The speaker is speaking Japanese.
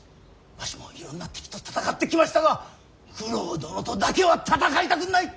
わしもいろんな敵と戦ってきましたが九郎殿とだけは戦いたくない。